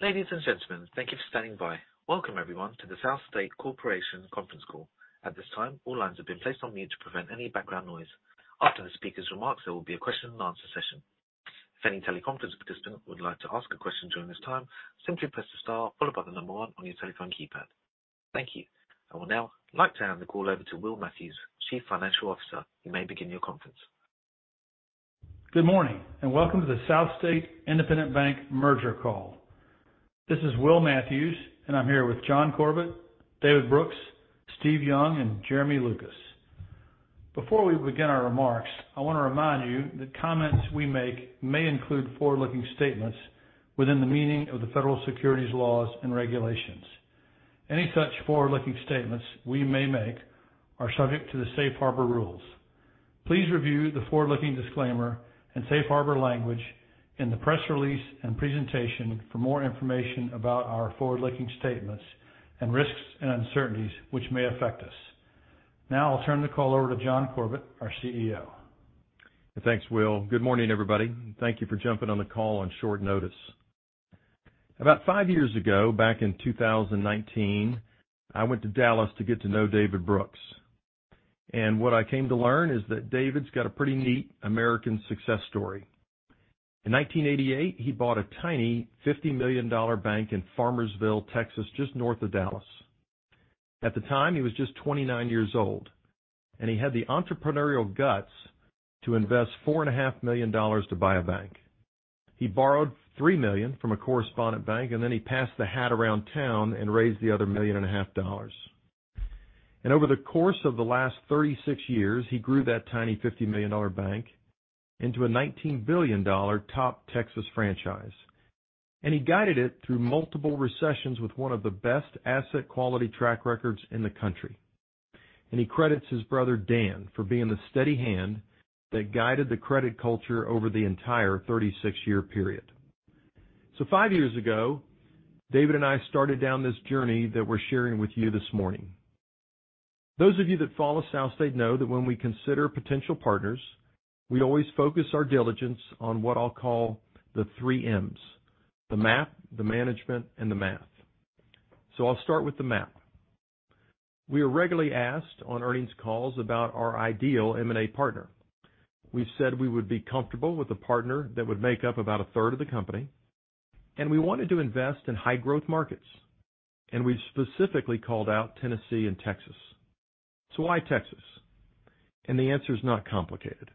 Ladies and gentlemen, thank you for standing by. Welcome everyone to the SouthState Corporation conference call. At this time, all lines have been placed on mute to prevent any background noise. After the speaker's remarks, there will be a question and answer session. If any teleconference participant would like to ask a question during this time, simply press the star followed by the number one on your telephone keypad. Thank you. I would now like to hand the call over to Will Matthews, Chief Financial Officer. You may begin your conference. Good morning, and welcome to the SouthState Independent Bank merger call. This is Will Matthews, and I'm here with John Corbett, David Brooks, Steve Young, and Jeremy Lucas. Before we begin our remarks, I want to remind you that comments we make may include forward-looking statements within the meaning of the federal securities laws and regulations. Any such forward-looking statements we may make are subject to the Safe Harbor rules. Please review the forward-looking disclaimer and Safe Harbor language in the press release and presentation for more information about our forward-looking statements and risks and uncertainties which may affect us. Now, I'll turn the call over to John Corbett, our CEO. Thanks, Will. Good morning, everybody, and thank you for jumping on the call on short notice. About five years ago, back in 2019, I went to Dallas to get to know David Brooks. And what I came to learn is that David's got a pretty neat American success story. In 1988, he bought a tiny $50 million bank in Farmersville, Texas, just north of Dallas. At the time, he was just 29 years old, and he had the entrepreneurial guts to invest $4.5 million to buy a bank. He borrowed $3 million from a correspondent bank, and then he passed the hat around town and raised the other $1.5 million. Over the course of the last 36 years, he grew that tiny $50 million bank into a $19 billion top Texas franchise, and he guided it through multiple recessions with one of the best asset quality track records in the country. He credits his brother, Dan, for being the steady hand that guided the credit culture over the entire 36-year period. Five years ago, David and I started down this journey that we're sharing with you this morning. Those of you that follow SouthState know that when we consider potential partners, we always focus our diligence on what I'll call the three M's: the map, the management, and the math. I'll start with the map. We are regularly asked on earnings calls about our ideal M&A partner. We said we would be comfortable with a partner that would make up about a third of the company, and we wanted to invest in high-growth markets, and we specifically called out Tennessee and Texas. So why Texas? And the answer is not complicated.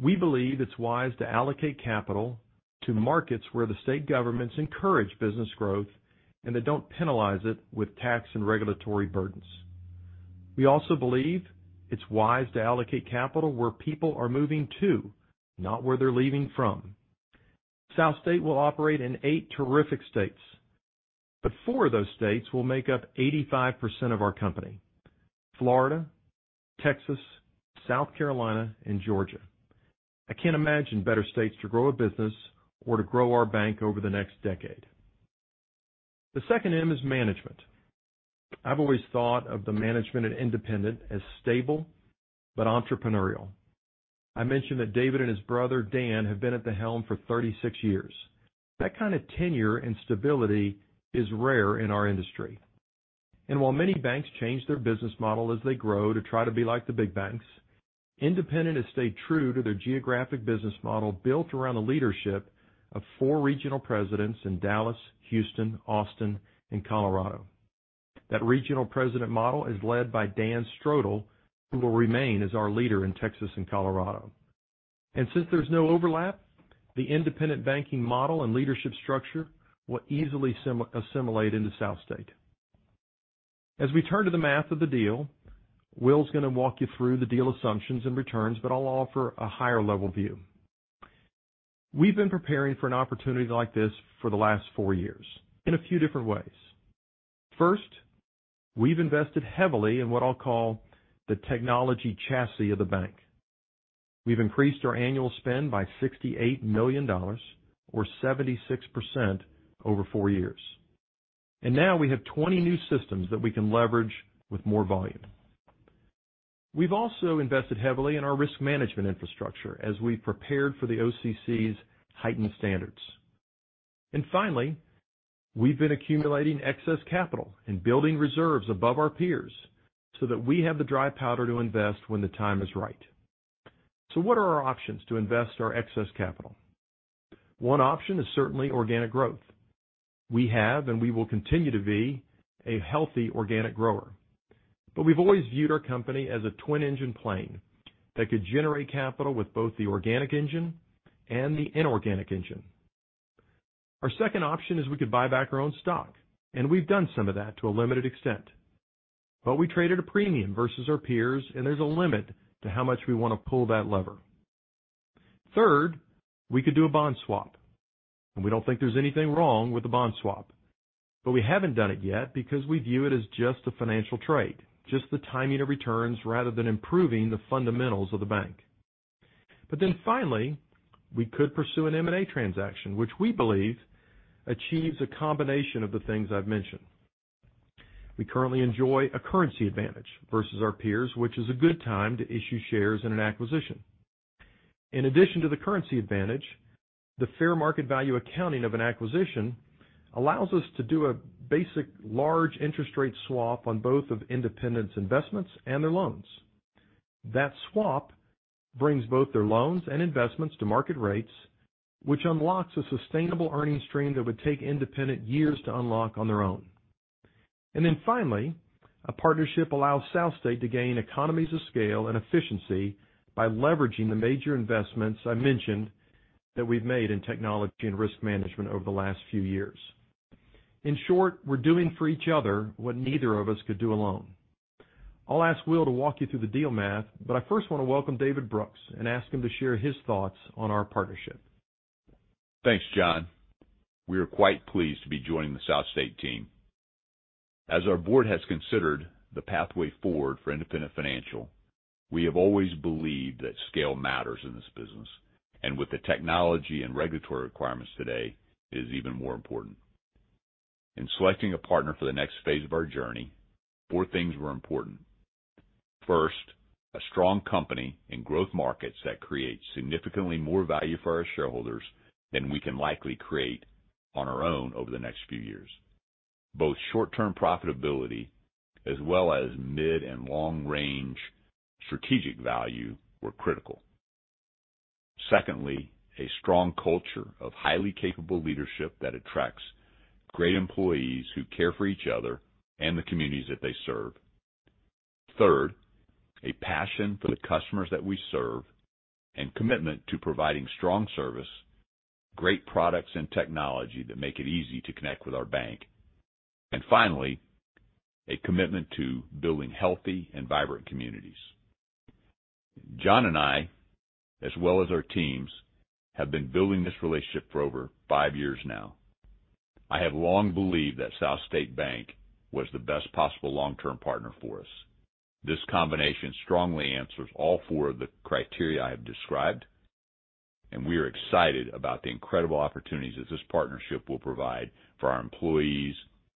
We believe it's wise to allocate capital to markets where the state governments encourage business growth, and they don't penalize it with tax and regulatory burdens. We also believe it's wise to allocate capital where people are moving to, not where they're leaving from. SouthState will operate in eight terrific states, but four of those states will make up 85% of our company, Florida, Texas, South Carolina, and Georgia. I can't imagine better states to grow a business or to grow our bank over the next decade. The second M is management. I've always thought of the management at Independent as stable but entrepreneurial. I mentioned that David and his brother, Dan, have been at the helm for 36 years. That kind of tenure and stability is rare in our industry. While many banks change their business model as they grow to try to be like the big banks, Independent has stayed true to their geographic business model, built around the leadership of four regional presidents in Dallas, Houston, Austin, and Colorado. That regional president model is led by Dan Strodel, who will remain as our leader in Texas and Colorado. And since there's no overlap, the Independent banking model and leadership structure will easily assimilate into SouthState. As we turn to the math of the deal, Will's going to walk you through the deal assumptions and returns, but I'll offer a higher level view. We've been preparing for an opportunity like this for the last four years in a few different ways. First, we've invested heavily in what I'll call the technology chassis of the bank. We've increased our annual spend by $68 million or 76% over four years, and now we have 20 new systems that we can leverage with more volume. We've also invested heavily in our risk management infrastructure as we prepared for the OCC's Heightened Standards. And finally, we've been accumulating excess capital and building reserves above our peers so that we have the dry powder to invest when the time is right. So what are our options to invest our excess capital? One option is certainly organic growth. We have, and we will continue to be, a healthy organic grower, but we've always viewed our company as a twin-engine plane that could generate capital with both the organic engine and the inorganic engine. Our second option is we could buy back our own stock, and we've done some of that to a limited extent, but we traded a premium versus our peers, and there's a limit to how much we want to pull that lever. Third, we could do a bond swap, and we don't think there's anything wrong with the bond swap, but we haven't done it yet because we view it as just a financial trade, just the timing of returns, rather than improving the fundamentals of the bank. But then finally, we could pursue an M&A transaction, which we believe achieves a combination of the things I've mentioned.... We currently enjoy a currency advantage versus our peers, which is a good time to issue shares in an acquisition. In addition to the currency advantage, the fair market value accounting of an acquisition allows us to do a basic large interest rate swap on both of Independent's investments and their loans. That swap brings both their loans and investments to market rates, which unlocks a sustainable earnings stream that would take Independent years to unlock on their own. And then finally, a partnership allows SouthState to gain economies of scale and efficiency by leveraging the major investments I mentioned that we've made in technology and risk management over the last few years. In short, we're doing for each other what neither of us could do alone. I'll ask Will to walk you through the deal math, but I first want to welcome David Brooks and ask him to share his thoughts on our partnership. Thanks, John. We are quite pleased to be joining the SouthState team. As our board has considered the pathway forward for Independent Financial, we have always believed that scale matters in this business, and with the technology and regulatory requirements today, it is even more important. In selecting a partner for the next phase of our journey, four things were important. First, a strong company in growth markets that creates significantly more value for our shareholders than we can likely create on our own over the next few years. Both short-term profitability as well as mid- and long-range strategic value were critical. Secondly, a strong culture of highly capable leadership that attracts great employees who care for each other and the communities that they serve. Third, a passion for the customers that we serve, and commitment to providing strong service, great products, and technology that make it easy to connect with our bank. And finally, a commitment to building healthy and vibrant communities. John and I, as well as our teams, have been building this relationship for over five years now. I have long believed that SouthState Bank was the best possible long-term partner for us. This combination strongly answers all four of the criteria I have described, and we are excited about the incredible opportunities that this partnership will provide for our employees,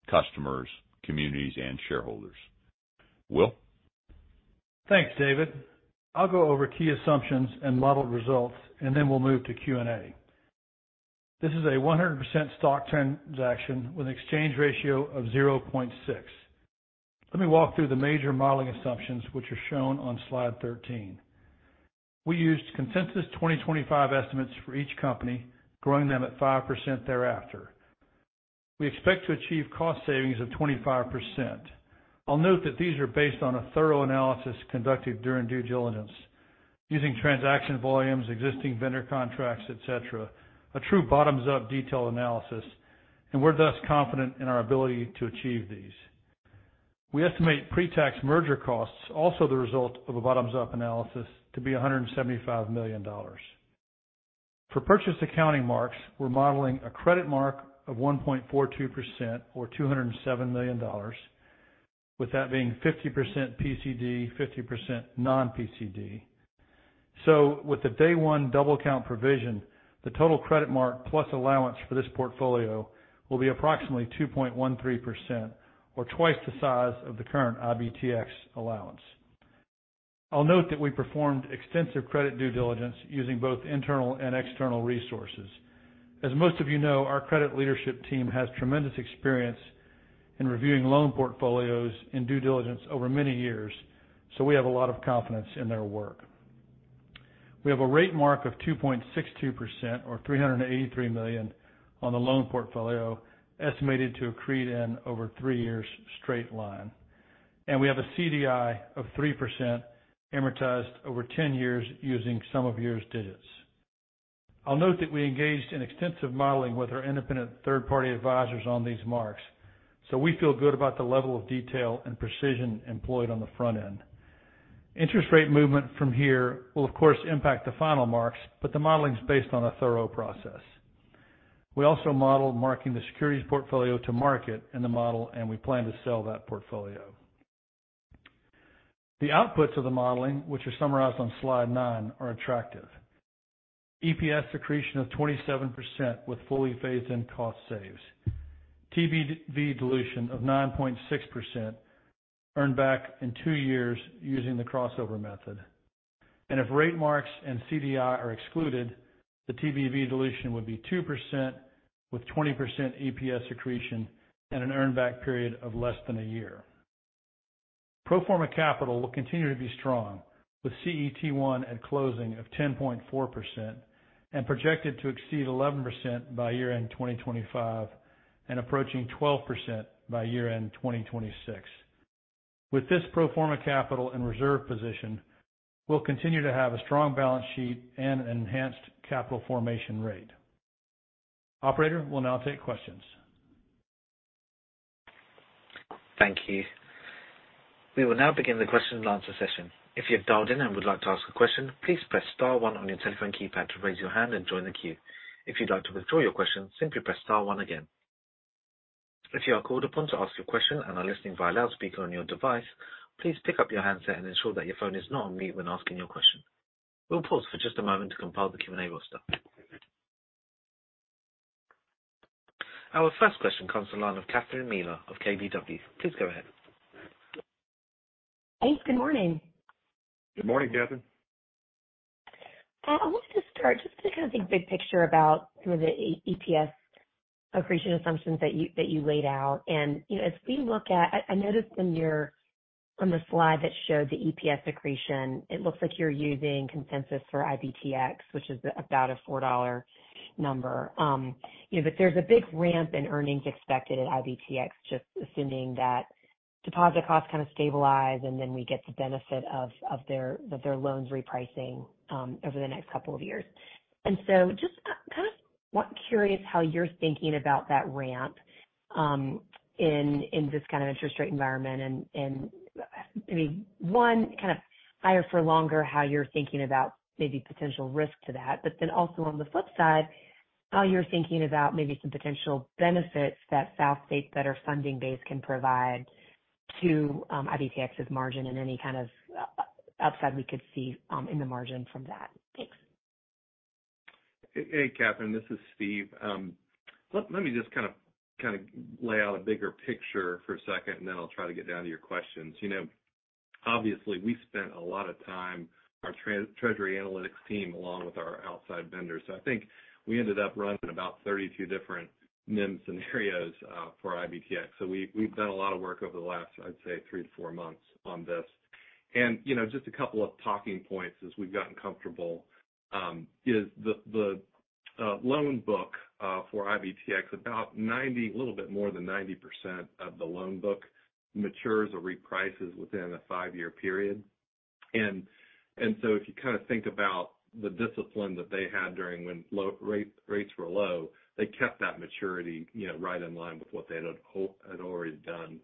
customers, communities, and shareholders. Will? Thanks, David. I'll go over key assumptions and modeled results, and then we'll move to Q&A. This is a 100% stock transaction with an exchange ratio of 0.6. Let me walk through the major modeling assumptions, which are shown on slide 13. We used consensus 2025 estimates for each company, growing them at 5% thereafter. We expect to achieve cost savings of 25%. I'll note that these are based on a thorough analysis conducted during due diligence, using transaction volumes, existing vendor contracts, et cetera, a true bottoms-up detailed analysis, and we're thus confident in our ability to achieve these. We estimate pre-tax merger costs, also the result of a bottoms-up analysis, to be $175 million. For purchase accounting marks, we're modeling a credit mark of 1.42% or $207 million, with that being 50% PCD, 50% non-PCD. So with the day one double count provision, the total credit mark plus allowance for this portfolio will be approximately 2.13%, or twice the size of the current IBTX allowance. I'll note that we performed extensive credit due diligence using both internal and external resources. As most of you know, our credit leadership team has tremendous experience in reviewing loan portfolios in due diligence over many years, so we have a lot of confidence in their work. We have a rate mark of 2.62% or $383 million on the loan portfolio, estimated to accrete in over three years straight line. We have a CDI of 3% amortized over 10 years using sum of years digits. I'll note that we engaged in extensive modeling with our independent third-party advisors on these marks, so we feel good about the level of detail and precision employed on the front end. Interest rate movement from here will, of course, impact the final marks, but the modeling is based on a thorough process. We also modeled marking the securities portfolio to market in the model, and we plan to sell that portfolio. The outputs of the modeling, which are summarized on slide 9, are attractive. EPS accretion of 27% with fully phased-in cost saves. TBV dilution of 9.6%, earned back in two years using the crossover method. If rate marks and CDI are excluded, the TBV dilution would be 2%, with 20% EPS accretion and an earn back period of less than a year. Pro forma capital will continue to be strong, with CET1 at closing of 10.4% and projected to exceed 11% by year-end 2025, and approaching 12% by year-end 2026. With this pro forma capital and reserve position, we'll continue to have a strong balance sheet and an enhanced capital formation rate. Operator, we'll now take questions. Thank you. We will now begin the question and answer session. If you have dialed in and would like to ask a question, please press star one on your telephone keypad to raise your hand and join the queue. If you'd like to withdraw your question, simply press star one again. If you are called upon to ask your question and are listening via loudspeaker on your device, please pick up your handset and ensure that your phone is not on mute when asking your question. We'll pause for just a moment to compile the Q&A roster. Our first question comes on the line of Catherine Mealor of KBW. Please go ahead. Thanks. Good morning. Good morning, Catherine. I wanted to start just to kind of think big picture about some of the EPS accretion assumptions that you laid out. And, you know, as we look at, I noticed in your, from the slide that showed the EPS accretion, it looks like you're using consensus for IBTX, which is about a $4 number. You know, but there's a big ramp in earnings expected at IBTX, just assuming that deposit costs kind of stabilize, and then we get the benefit of their loans repricing over the next couple of years. And so just curious how you're thinking about that ramp in this kind of interest rate environment. And I mean, kind of higher for longer, how you're thinking about maybe potential risk to that. But then also on the flip side, how you're thinking about maybe some potential benefits that SouthState's better funding base can provide to IBTX's margin and any kind of upside we could see in the margin from that? Thanks. Hey, Catherine, this is Steve. Let me just kind of lay out a bigger picture for a second, and then I'll try to get down to your questions. You know, obviously, we spent a lot of time, our treasury analytics team, along with our outside vendors. I think we ended up running about 32 different NIM scenarios for IBTX. So we've done a lot of work over the last, I'd say, three to four months on this. And, you know, just a couple of talking points as we've gotten comfortable is the loan book for IBTX, about 90, a little bit more than 90% of the loan book matures or reprices within a five-year period. So if you kind of think about the discipline that they had during when low rates were low, they kept that maturity, you know, right in line with what they had already done.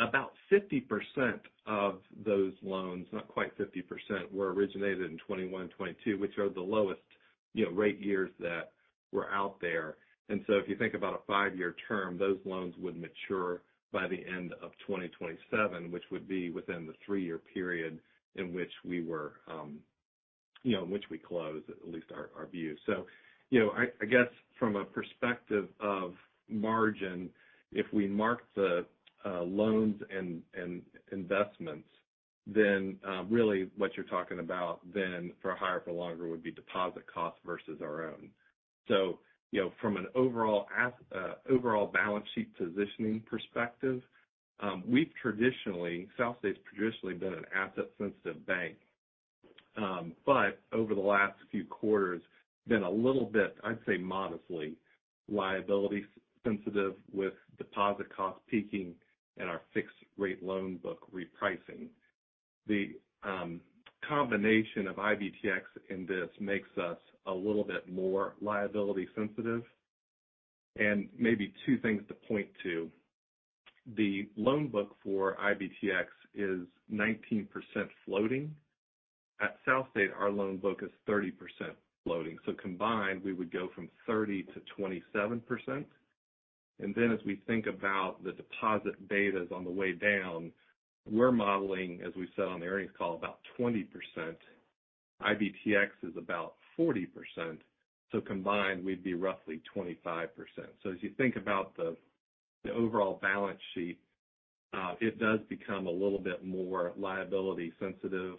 About 50% of those loans, not quite 50%, were originated in 2021 and 2022, which are the lowest, you know, rate years that were out there. So if you think about a five-year term, those loans would mature by the end of 2027, which would be within the three-year period in which we were, you know, in which we close, at least our view. So, you know, I guess from a perspective of margin, if we mark the loans and investments, then really what you're talking about then for higher for longer would be deposit costs versus our own. So, you know, from an overall balance sheet positioning perspective, we've traditionally, SouthState's traditionally been an asset-sensitive bank. But over the last few quarters, been a little bit, I'd say modestly, liability-sensitive with deposit costs peaking and our fixed-rate loan book repricing. The combination of IBTX in this makes us a little bit more liability sensitive. And maybe two things to point to. The loan book for IBTX is 19% floating. At SouthState, our loan book is 30% floating. So combined, we would go from 30% to 27%. And then as we think about the deposit betas on the way down, we're modeling, as we said on the earnings call, about 20%. IBTX is about 40%, so combined, we'd be roughly 25%. So as you think about the overall balance sheet, it does become a little bit more liability sensitive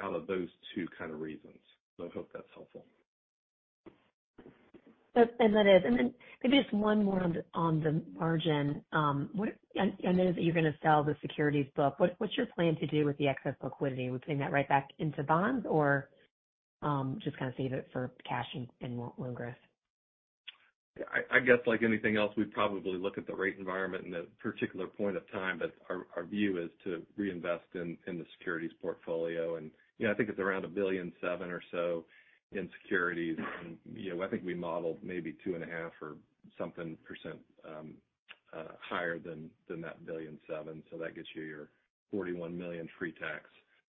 out of those two kind of reasons. So I hope that's helpful. And then maybe just one more on the margin. And then is that you're going to sell the securities book. What's your plan to do with the excess liquidity? Would you bring that right back into bonds or just kind of save it for cash and loan growth? I guess like anything else, we'd probably look at the rate environment and the particular point of time, but our view is to reinvest in the securities portfolio. You know, I think it's around $1.7 billion or so in securities. You know, I think we modeled maybe 2.5% or something higher than that $1.7 billion. So that gets you your $41 million pre-tax.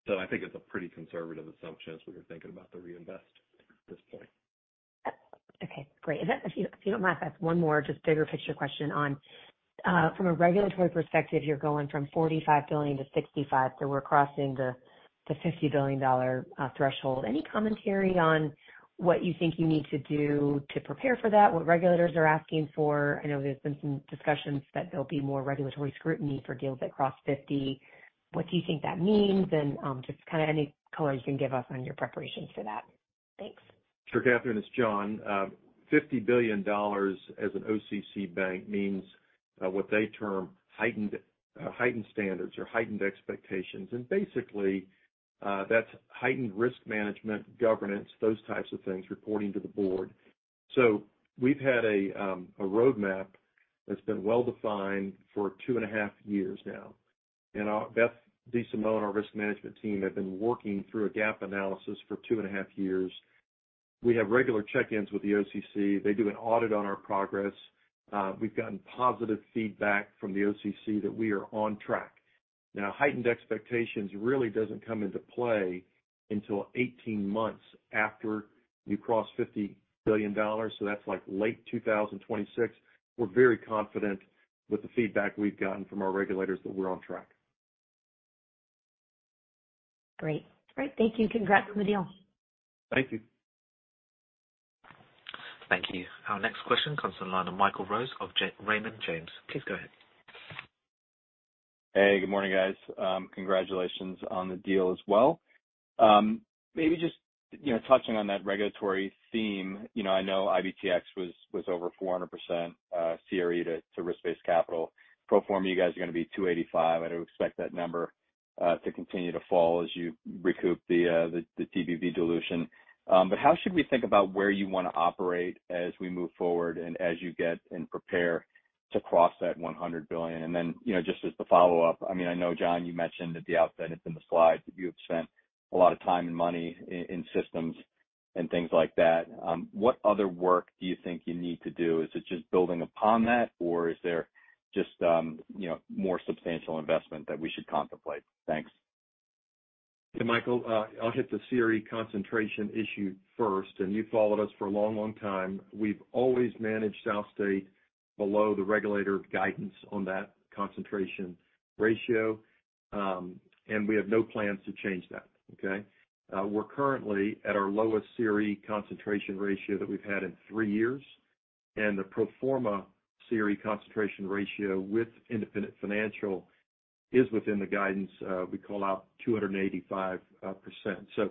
So I think it's a pretty conservative assumption as we were thinking about the reinvestment at this point. Okay, great. If that, if you, if you don't mind, I have one more just bigger picture question on from a regulatory perspective, you're going from $45 billion to $65 billion, so we're crossing the $50 billion threshold. Any commentary on what you think you need to do to prepare for that? What regulators are asking for? I know there's been some discussions that there'll be more regulatory scrutiny for deals that cross $50 billion. What do you think that means? And just kind of any color you can give us on your preparations for that. Thanks. Sure, Catherine, it's John. Fifty billion dollars as an OCC bank means what they term Heightened Standards or heightened expectations. And basically, that's heightened risk management, governance, those types of things, reporting to the board. So we've had a roadmap that's been well-defined for two and a half years now. And our Beth DeSimone, our risk management team, have been working through a gap analysis for two and a half years. We have regular check-ins with the OCC. They do an audit on our progress. We've gotten positive feedback from the OCC that we are on track. Now, heightened expectations really doesn't come into play until 18 months after you cross $50 billion, so that's like late 2026. We're very confident with the feedback we've gotten from our regulators that we're on track.... Great. Great, thank you. Congrats on the deal! Thank you. Thank you. Our next question comes from the line of Michael Rose of Raymond James. Please go ahead. Hey, good morning, guys. Congratulations on the deal as well. Maybe just, you know, touching on that regulatory theme, you know, I know IBTX was over 400% CRE to risk-based capital. Pro forma, you guys are going to be 285%, and I would expect that number to continue to fall as you recoup the TBV dilution. But how should we think about where you want to operate as we move forward and as you get and prepare to cross that $100 billion? And then, you know, just as the follow-up, I mean, I know, John, you mentioned at the outset, it's in the slides, that you have spent a lot of time and money in systems and things like that. What other work do you think you need to do? Is it just building upon that, or is there just, you know, more substantial investment that we should contemplate? Thanks. Hey, Michael, I'll hit the CRE concentration issue first, and you've followed us for a long, long time. We've always managed SouthState below the regulator's guidance on that concentration ratio, and we have no plans to change that, okay? We're currently at our lowest CRE concentration ratio that we've had in three years, and the pro forma CRE concentration ratio with Independent Financial is within the guidance, we call out 285%. So,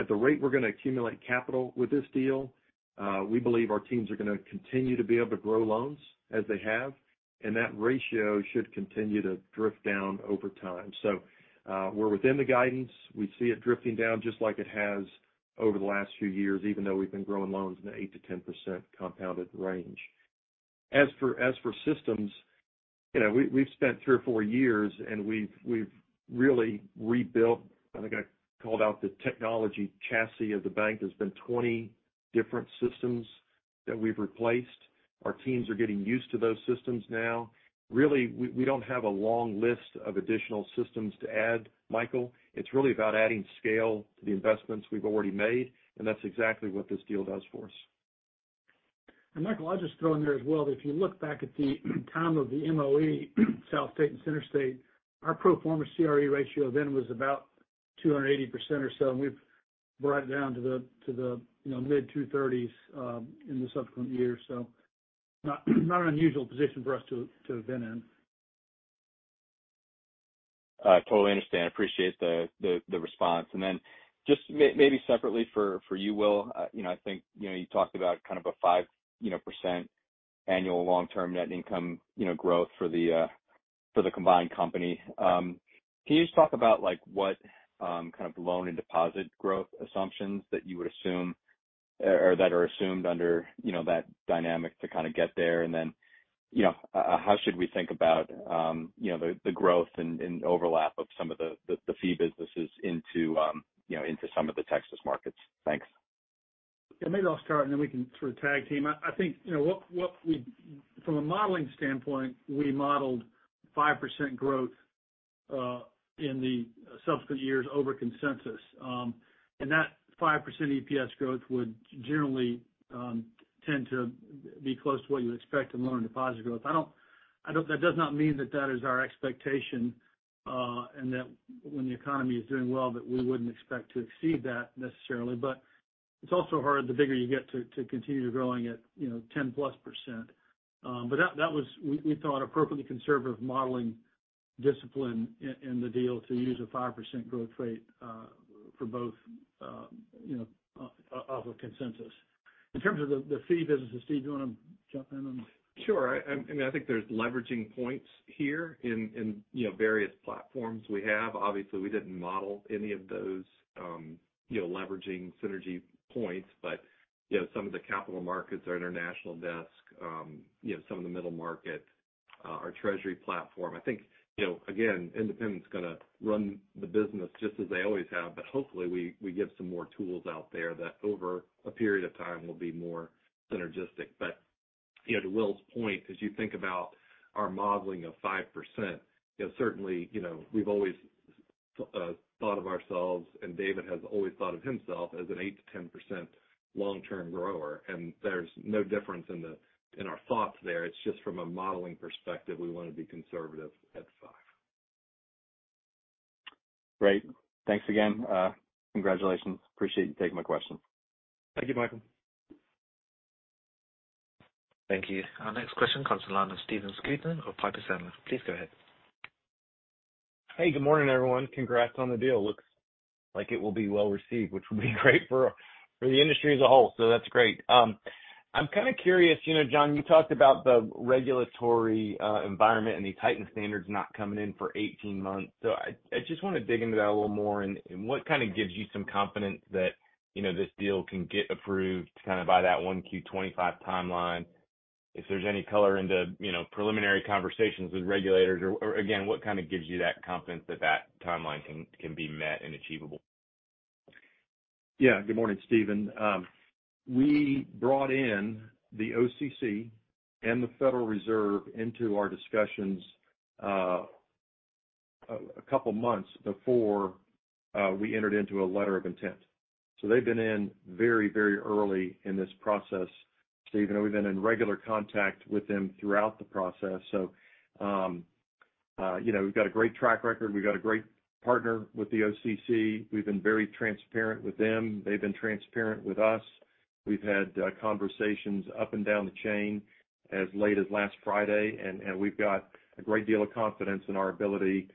at the rate we're going to accumulate capital with this deal, we believe our teams are going to continue to be able to grow loans as they have, and that ratio should continue to drift down over time. So, we're within the guidance. We see it drifting down just like it has over the last few years, even though we've been growing loans in the 8%-10% compounded range. As for systems, you know, we've spent three or four years, and we've really rebuilt. I think I called out the technology chassis of the bank. There's been 20 different systems that we've replaced. Our teams are getting used to those systems now. Really, we don't have a long list of additional systems to add, Michael. It's really about adding scale to the investments we've already made, and that's exactly what this deal does for us. Michael, I'll just throw in there as well, that if you look back at the time of the MOE, SouthState and CenterState, our pro forma CRE ratio then was about 280% or so, and we've brought it down to the, you know, mid-230s, in the subsequent years. So not an unusual position for us to have been in. I totally understand. Appreciate the response. And then just maybe separately for you, Will, you know, I think, you know, you talked about kind of a 5% annual long-term net income, you know, growth for the combined company. Can you just talk about like what kind of loan and deposit growth assumptions that you would assume or that are assumed under you know that dynamic to kind of get there? And then, you know, how should we think about you know the growth and overlap of some of the fee businesses into you know into some of the Texas markets? Thanks. Yeah, maybe I'll start, and then we can sort of tag team. I think, you know, from a modeling standpoint, we modeled 5% growth in the subsequent years over consensus. And that 5% EPS growth would generally tend to be close to what you expect in loan and deposit growth. I don't-- that does not mean that that is our expectation, and that when the economy is doing well, that we wouldn't expect to exceed that necessarily. But it's also hard, the bigger you get, to continue growing at, you know, 10%+. But that was, we thought, appropriately conservative modeling discipline in the deal to use a 5% growth rate for both, you know, off of consensus. In terms of the fee businesses, Steve, do you want to jump in on? Sure. I mean, I think there's leveraging points here in, you know, various platforms we have. Obviously, we didn't model any of those, you know, leveraging synergy points, but, you know, some of the capital markets, our international desk, you know, some of the middle market, our treasury platform. I think, you know, again, Independent's going to run the business just as they always have, but hopefully, we give some more tools out there that over a period of time will be more synergistic. But, you know, to Will's point, as you think about our modeling of 5%, you know, certainly, you know, we've always thought of ourselves, and David has always thought of himself as an 8%-10% long-term grower, and there's no difference in the, in our thoughts there. It's just from a modeling perspective, we want to be conservative at five. Great. Thanks again. Congratulations. Appreciate you taking my question. Thank you, Michael. Thank you. Our next question comes from the line of Stephen Scouten of Piper Sandler. Please go ahead. Hey, good morning, everyone. Congrats on the deal. Looks like it will be well-received, which will be great for the industry as a whole, so that's great. I'm kind of curious, you know, John, you talked about the regulatory environment and the heightened standards not coming in for 18 months. So I just want to dig into that a little more and what kind of gives you some confidence that, you know, this deal can get approved kind of by that first quarter 2025 timeline? If there's any color into, you know, preliminary conversations with regulators, or again, what kind of gives you that confidence that that timeline can be met and achievable? Yeah. Good morning, Stephen. We brought in the OCC and the Federal Reserve into our discussions a couple months before we entered into a letter of intent. So they've been in very, very early in this process, Stephen, and we've been in regular contact with them throughout the process. So, you know, we've got a great track record. We've got a great partner with the OCC. We've been very transparent with them. They've been transparent with us. We've had conversations up and down the chain as late as last Friday, and we've got a great deal of confidence in our ability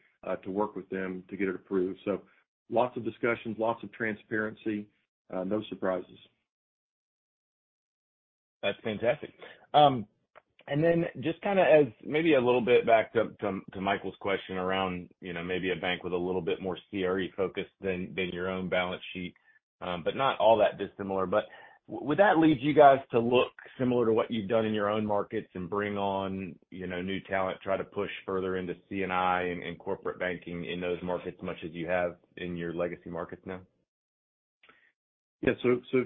to work with them to get it approved. So lots of discussions, lots of transparency, no surprises. That's fantastic. And then just kind of as maybe a little bit back to Michael's question around, you know, maybe a bank with a little bit more CRE focus than your own balance sheet, but not all that dissimilar. But would that lead you guys to look similar to what you've done in your own markets and bring on, you know, new talent, try to push further into C&I and corporate banking in those markets, much as you have in your legacy markets now? Yeah. So, so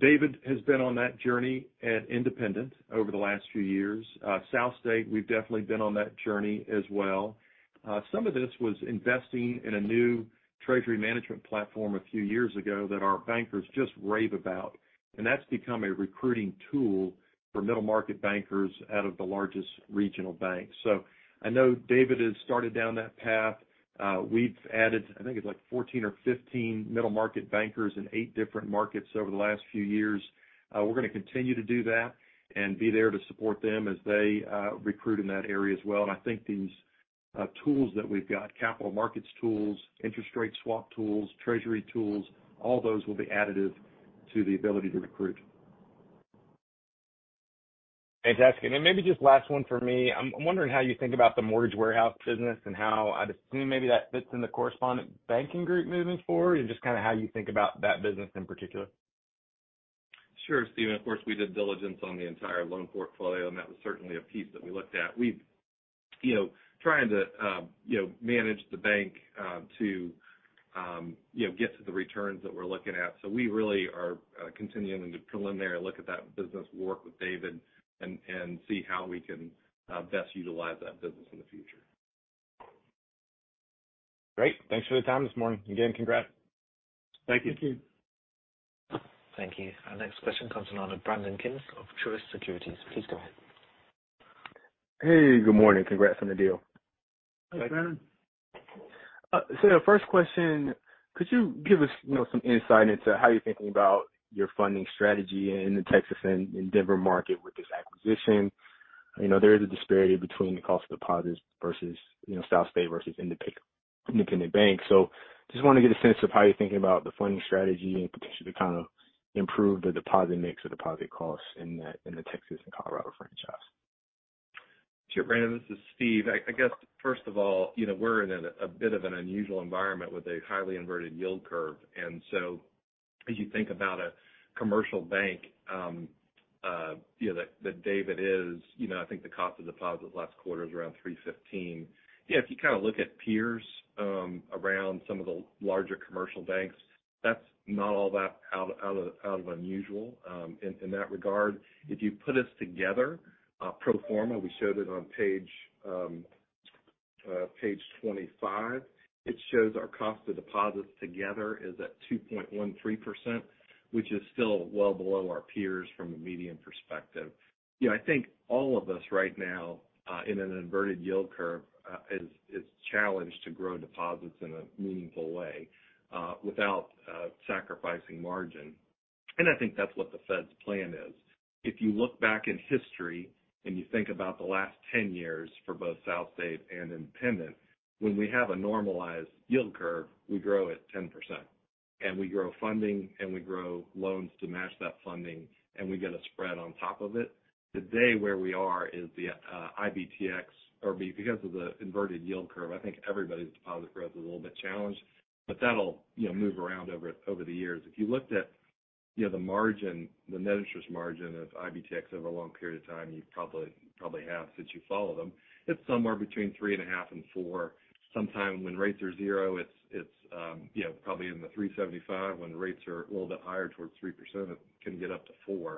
David has been on that journey at Independent over the last few years. SouthState, we've definitely been on that journey as well. Some of this was investing in a new treasury management platform a few years ago that our bankers just rave about, and that's become a recruiting tool for middle-market bankers out of the largest regional banks. So I know David has started down that path. We've added, I think it's like 14 or 15 middle-market bankers in eight different markets over the last few years. We're going to continue to do that and be there to support them as they recruit in that area as well. And I think these tools that we've got, capital markets tools, interest rate swap tools, treasury tools, all those will be additive to the ability to recruit. Fantastic. And then maybe just last one for me. I'm wondering how you think about the mortgage warehouse business and how I'd assume maybe that fits in the correspondent banking group moving forward, and just kind of how you think about that business in particular? Sure, Stephen. Of course, we did diligence on the entire loan portfolio, and that was certainly a piece that we looked at. We've, you know, trying to, you know, manage the bank, to, you know, get to the returns that we're looking at. So we really are continuing to preliminary look at that business, work with David and, and see how we can best utilize that business in the future. Great. Thanks for the time this morning. Again, congrats. Thank you. Thank you. Thank you. Our next question comes from Brandon King of Truist Securities. Please go ahead. Hey, good morning. Congrats on the deal. Hi, Brandon. So the first question, could you give us, you know, some insight into how you're thinking about your funding strategy in the Texas and Denver market with this acquisition? You know, there is a disparity between the cost of deposits versus, you know, SouthState versus Independent, Independent Bank. So just want to get a sense of how you're thinking about the funding strategy and potentially to kind of improve the deposit mix or deposit costs in the, in the Texas and Colorado franchise. Sure, Brandon, this is Steve. I guess, first of all, you know, we're in a bit of an unusual environment with a highly inverted yield curve. And so as you think about a commercial bank, you know, David is, you know, I think the cost of deposits last quarter is around 3.15%. Yeah, if you kind of look at peers, around some of the larger commercial banks, that's not all that out of unusual, in that regard. If you put us together, pro forma, we showed it on page 25. It shows our cost of deposits together is at 2.13%, which is still well below our peers from a median perspective. You know, I think all of us right now, in an inverted yield curve, is challenged to grow deposits in a meaningful way, without sacrificing margin. And I think that's what the Fed's plan is. If you look back in history and you think about the last 10 years for both SouthState and Independent, when we have a normalized yield curve, we grow at 10%, and we grow funding, and we grow loans to match that funding, and we get a spread on top of it. Today, where we are is the IBTX, because of the inverted yield curve, I think everybody's deposit growth is a little bit challenged, but that'll, you know, move around over the years. If you looked at, you know, the margin, the net interest margin of IBTX over a long period of time, you probably, probably have, since you follow them, it's somewhere between 3.5 and 4. Sometime when rates are zero, it's, it's, you know, probably in the 3.75. When rates are a little bit higher towards 3%, it can get up to 4%.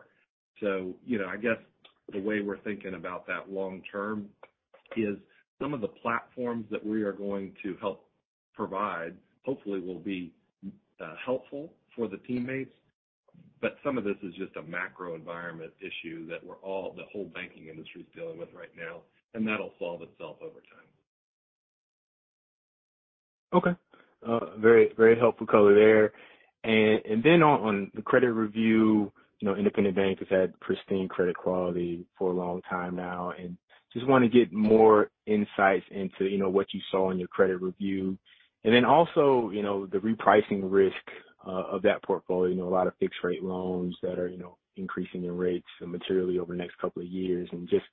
So, you know, I guess the way we're thinking about that long term is some of the platforms that we are going to help provide, hopefully will be helpful for the teammates. But some of this is just a macro environment issue that we're all the whole banking industry is dealing with right now, and that'll solve itself over time. Okay. Very, very helpful color there. And then on the credit review, you know, Independent Bank has had pristine credit quality for a long time now, and just want to get more insights into, you know, what you saw in your credit review. And then also, you know, the repricing risk of that portfolio, you know, a lot of fixed-rate loans that are, you know, increasing their rates materially over the next couple of years, and just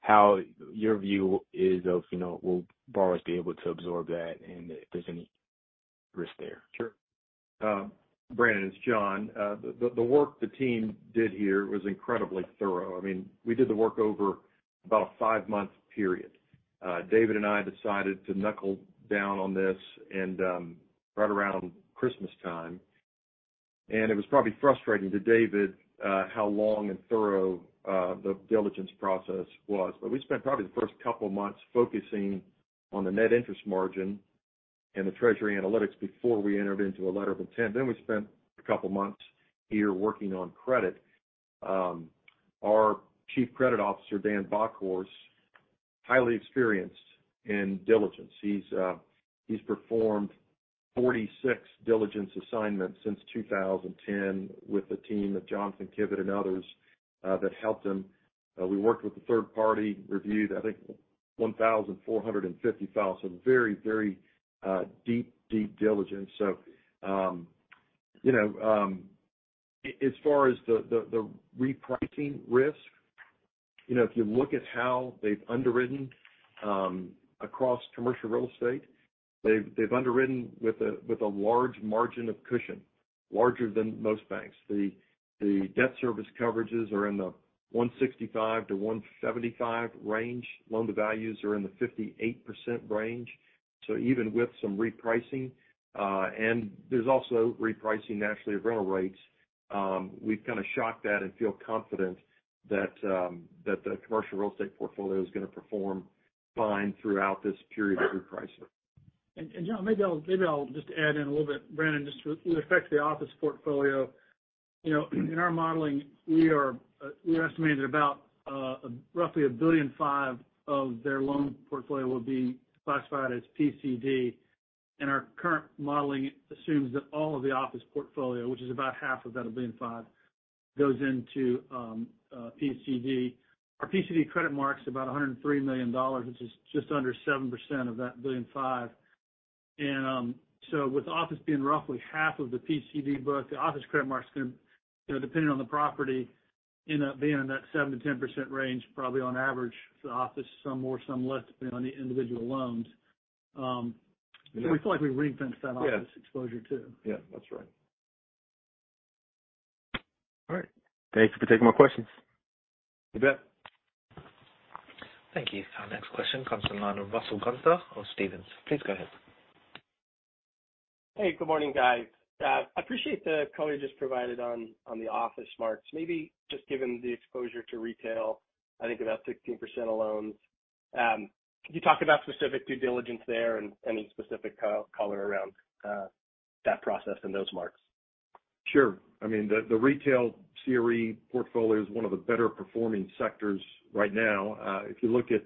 how your view is of, you know, will borrowers be able to absorb that, and if there's any risk there? Sure. Brandon, it's John. The work the team did here was incredibly thorough. I mean, we did the work over about a five-month period. David and I decided to knuckle down on this and, right around Christmas time, and it was probably frustrating to David, how long and thorough, the diligence process was. But we spent probably the first couple of months focusing... on the net interest margin and the treasury analytics before we entered into a letter of intent. Then we spent a couple months here working on credit. Our Chief Credit Officer, Dan Bockhorst, highly experienced in diligence. He's performed 46 diligence assignments since 2010 with a team of Johnston Kibler and others that helped him. We worked with a third party, reviewed, I think, 1,450 files, so very, very deep diligence. So, you know, as far as the repricing risk, you know, if you look at how they've underwritten across commercial real estate, they've underwritten with a large margin of cushion, larger than most banks. The debt service coverages are in the 1.65-1.75 range. Loan to values are in the 58% range. So even with some repricing, and there's also repricing naturally of rental rates, we've kind of shocked that and feel confident that the commercial real estate portfolio is going to perform fine throughout this period of repricing. And John, maybe I'll just add in a little bit, Brandon, just with respect to the office portfolio. You know, in our modeling, we are estimating that about roughly $1.5 billion of their loan portfolio will be classified as PCD. And our current modeling assumes that all of the office portfolio, which is about half of that $1.5 billion, goes into PCD. Our PCD credit mark is about $103 million, which is just under 7% of that $1.5 billion. And so with office being roughly half of the PCD book, the office credit mark is going to, you know, depending on the property, end up being in that 7%-10% range, probably on average for the office, some more, some less, depending on the individual loans. We feel like we've re-fenced that office exposure too. Yeah, that's right. All right. Thank you for taking my questions. You bet. Thank you. Our next question comes from the line of Russell Gunther of Stephens. Please go ahead. Hey, good morning, guys. I appreciate the color you just provided on the office marks. Maybe just given the exposure to retail, I think about 16% of loans. Can you talk about specific due diligence there and any specific color around that process and those marks? Sure. I mean, the retail CRE portfolio is one of the better performing sectors right now. If you look at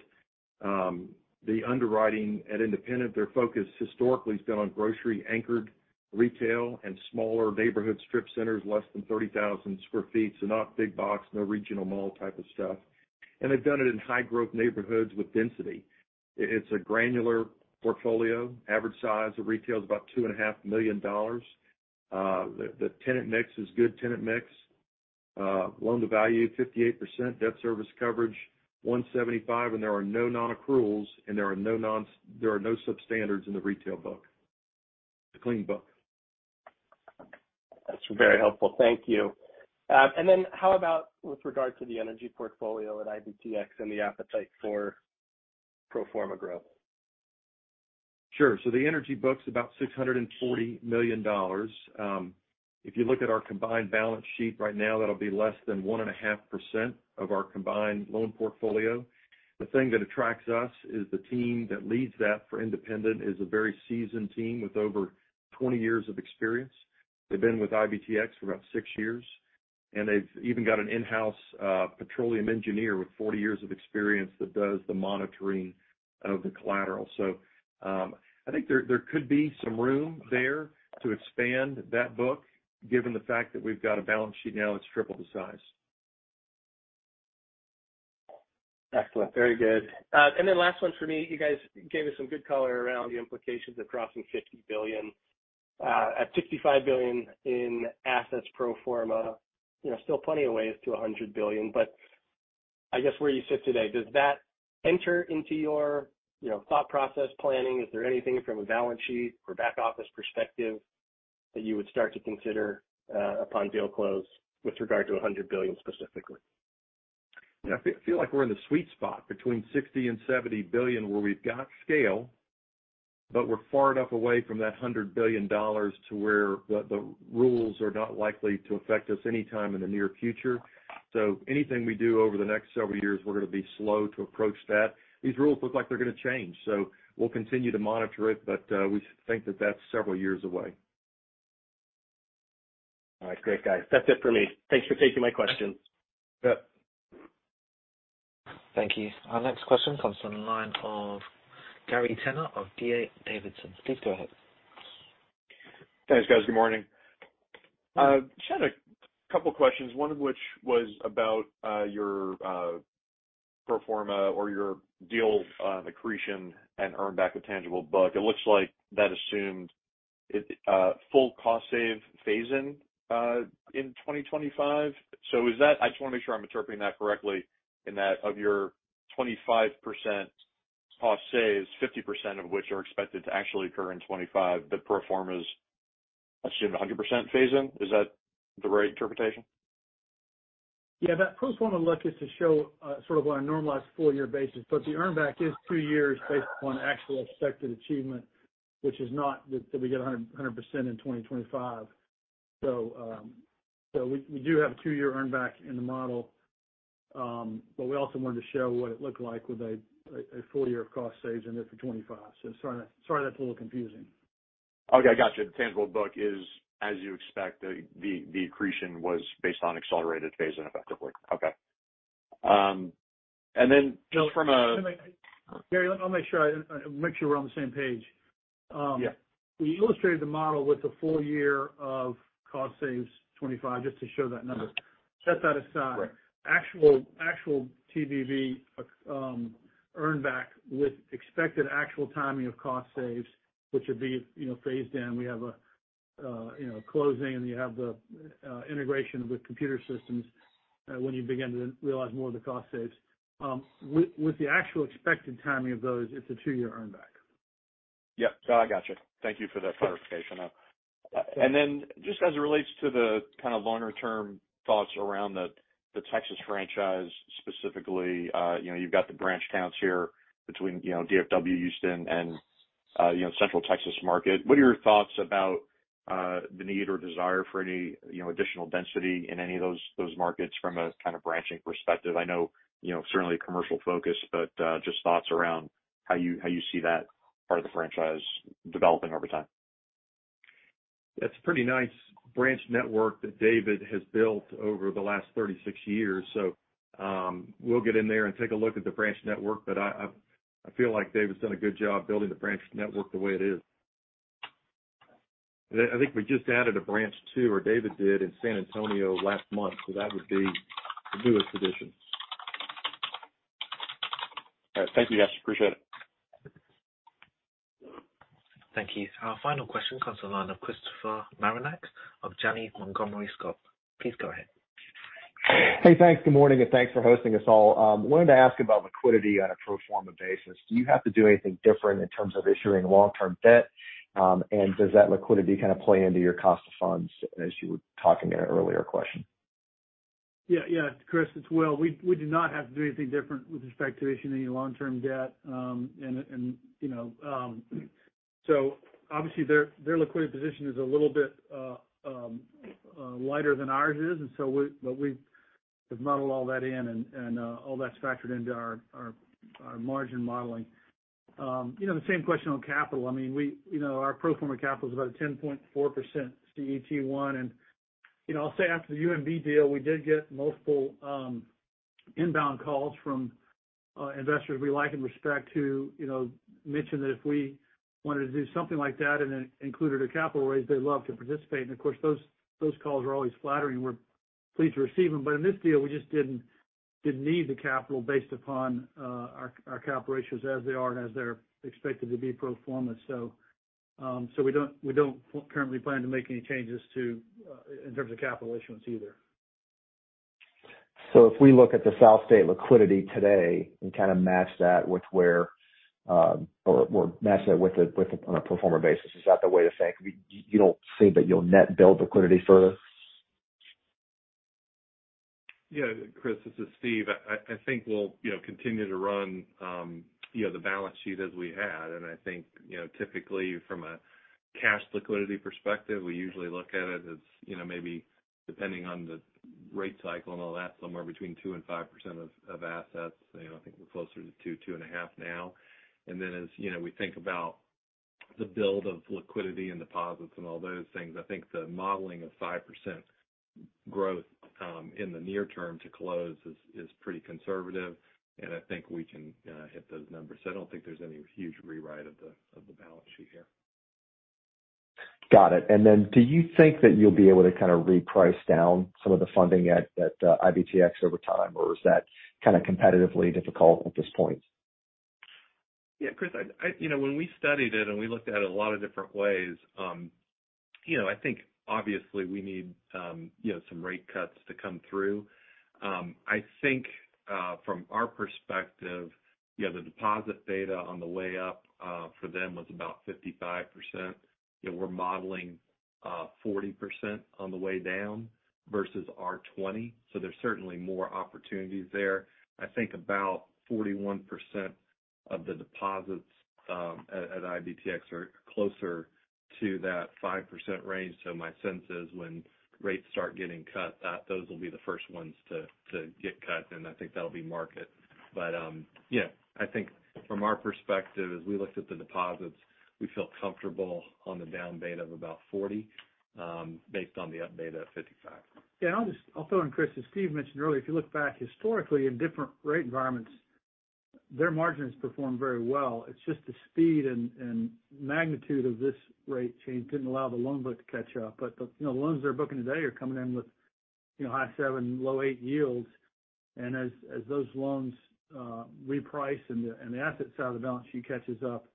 the underwriting at Independent, their focus historically has been on grocery-anchored retail and smaller neighborhood strip centers, less than 30,000 sq ft. So not big box, no regional mall type of stuff. And they've done it in high growth neighborhoods with density. It's a granular portfolio. Average size of retail is about $2.5 million. The tenant mix is good tenant mix. Loan to value, 58%. Debt service coverage, 1.75, and there are no nonaccruals, and there are no substandards in the retail book. It's a clean book. That's very helpful. Thank you. And then how about with regard to the energy portfolio at IBTX and the appetite for pro forma growth? Sure. So the energy book's about $640 million. If you look at our combined balance sheet right now, that'll be less than 1.5% of our combined loan portfolio. The thing that attracts us is the team that leads that for Independent is a very seasoned team with over 20 years of experience. They've been with IBTX for about six years, and they've even got an in-house petroleum engineer with 40 years of experience that does the monitoring of the collateral. So, I think there could be some room there to expand that book, given the fact that we've got a balance sheet now that's triple the size. Excellent. Very good. And then last one for me. You guys gave us some good color around the implications of crossing $50 billion, at $65 billion in assets pro forma. You know, still plenty of ways to $100 billion, but I guess where you sit today, does that enter into your, you know, thought process planning? Is there anything from a balance sheet or back office perspective that you would start to consider, upon deal close with regard to $100 billion, specifically? Yeah, I feel like we're in the sweet spot between $60 billion and $70 billion, where we've got scale, but we're far enough away from that $100 billion to where the, the rules are not likely to affect us anytime in the near future. So anything we do over the next several years, we're going to be slow to approach that. These rules look like they're going to change, so we'll continue to monitor it, but we think that that's several years away. All right. Great, guys. That's it for me. Thanks for taking my questions. Yep. Thank you. Our next question comes from the line of Gary Tenner of D.A. Davidson. Please go ahead. Thanks, guys. Good morning. Just had a couple questions, one of which was about your pro forma or your deal accretion and earn back the tangible book. It looks like that assumed it full cost save phase-in in 2025. So is that—I just want to make sure I'm interpreting that correctly, in that of your 25% cost saves, 50% of which are expected to actually occur in 2025, the pro forma is assuming a 100% phase-in. Is that the right interpretation? Yeah, that pro forma look is to show, sort of on a normalized full year basis, but the earn back is two years based on actual expected achievement, which is not that, that we get 100, 100% in 2025. So, so we, we do have a two-year earn back in the model, but we also wanted to show what it looked like with a, a, a full year of cost saves in there for 2025. So sorry, sorry, that's a little confusing. Okay, I got you. The tangible book is, as you expect, the accretion was based on accelerated phase and effectively. Okay. And then just from a- Gary, let me make sure we're on the same page. Yeah. We illustrated the model with a full year of cost saves 2025, just to show that number. Set that aside. Right. Actual, actual TBV, earn back with expected actual timing of cost saves, which would be, you know, phased in. We have a, you know, closing, and you have the, integration with computer systems, when you begin to realize more of the cost saves. With the actual expected timing of those, it's a two-year earn back. Yep, I got you. Thank you for that clarification. And then just as it relates to the kind of longer-term thoughts around the Texas franchise, specifically, you know, you've got the branch counts here between, you know, DFW, Houston, and, you know, Central Texas market. What are your thoughts about the need or desire for any, you know, additional density in any of those, those markets from a kind of branching perspective? I know, you know, certainly a commercial focus, but just thoughts around how you, how you see that part of the franchise developing over time. It's a pretty nice branch network that David has built over the last 36 years, so we'll get in there and take a look at the branch network. But I feel like David's done a good job building the branch network the way it is. I think we just added a branch, too, or David did, in San Antonio last month, so that would be the newest addition. All right. Thank you, guys. Appreciate it. Thank you. Our final question comes on the line of Christopher Marinac of Janney Montgomery Scott. Please go ahead. Hey, thanks. Good morning, and thanks for hosting us all. Wanted to ask about liquidity on a pro forma basis. Do you have to do anything different in terms of issuing long-term debt? And does that liquidity kind of play into your cost of funds as you were talking in an earlier question? Yeah, yeah, Chris, it's Will. We do not have to do anything different with respect to issuing any long-term debt. And, you know, so obviously, their liquidity position is a little bit lighter than ours is. And so we—but we've modeled all that in, and all that's factored into our margin modeling. You know, the same question on capital. I mean, we, you know, our pro forma capital is about a 10.4% CET1. And, you know, I'll say after the UMB deal, we did get multiple inbound calls from investors we like and respect, who, you know, mentioned that if we wanted to do something like that and it included a capital raise, they'd love to participate. And of course, those calls are always flattering. We're pleased to receive them, but in this deal, we just didn't need the capital based upon our capital ratios as they are and as they're expected to be pro forma. So we don't currently plan to make any changes to, in terms of capital issuance either. So if we look at the SouthState liquidity today and kind of match that with where, or, or match that with the, with the, on a pro forma basis, is that the way to think? We-- you don't see that you'll net build liquidity further? Yeah, Chris, this is Steve. I think we'll, you know, continue to run, you know, the balance sheet as we have. And I think, you know, typically from a cash liquidity perspective, we usually look at it as, you know, maybe depending on the rate cycle and all that, somewhere between 2% and 5% of assets. You know, I think we're closer to 2%-2.5% now. And then as, you know, we think about the build of liquidity and deposits and all those things, I think the modeling of 5% growth in the near term to close is pretty conservative, and I think we can hit those numbers. So I don't think there's any huge rewrite of the balance sheet here. Got it. And then do you think that you'll be able to kind of reprice down some of the funding at IBTX over time, or is that kind of competitively difficult at this point? Yeah, Chris, I. You know, when we studied it, and we looked at it a lot of different ways, you know, I think obviously we need, you know, some rate cuts to come through. I think, from our perspective, you know, the deposit beta on the way up, for them was about 55%. You know, we're modeling, 40% on the way down versus our 20, so there's certainly more opportunities there. I think about 41% of the deposits, at IBTX are closer to that 5% range. So my sense is, when rates start getting cut, that those will be the first ones to get cut, and I think that'll be market. But, yeah, I think from our perspective, as we looked at the deposits, we feel comfortable on the down beta of about 40, based on the up beta at 55. Yeah, I'll just I'll throw in, Chris, as Steve mentioned earlier, if you look back historically in different rate environments, their margins performed very well. It's just the speed and magnitude of this rate change didn't allow the loan book to catch up. But the, you know, loans they're booking today are coming in with, you know, high seven, low eight yields. And as those loans reprice and the asset side of the balance sheet catches up,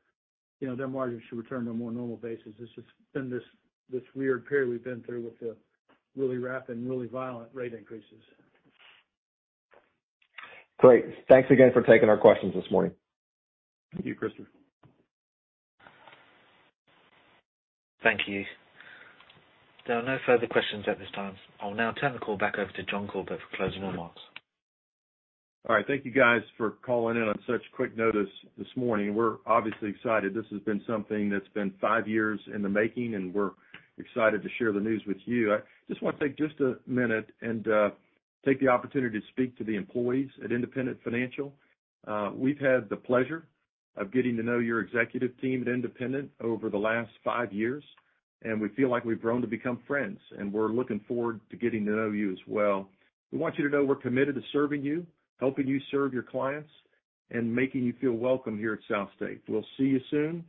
you know, their margins should return to a more normal basis. It's just been this weird period we've been through with the really rapid and really violent rate increases. Great. Thanks again for taking our questions this morning. Thank you, Christopher. Thank you. There are no further questions at this time. I'll now turn the call back over to John Corbett for closing remarks. All right. Thank you, guys, for calling in on such quick notice this morning. We're obviously excited. This has been something that's been five years in the making, and we're excited to share the news with you. I just want to take just a minute and take the opportunity to speak to the employees at Independent Financial. We've had the pleasure of getting to know your executive team at Independent over the last five years, and we feel like we've grown to become friends, and we're looking forward to getting to know you as well. We want you to know we're committed to serving you, helping you serve your clients, and making you feel welcome here at SouthState. We'll see you soon,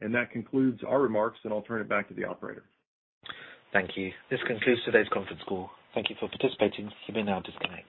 and that concludes our remarks, and I'll turn it back to the operator. Thank you. This concludes today's conference call. Thank you for participating. You may now disconnect.